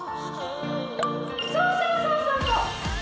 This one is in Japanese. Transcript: そうそうそうそうそう！